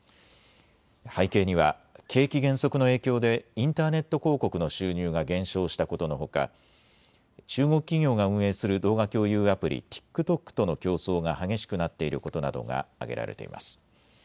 背景には景気減速の影響でインターネット広告の収入が減少したことのほか、中国企業が運営する動画共有アプリ、ＴｉｋＴｏｋとの競争が激しくなっていることなどが挙げられています。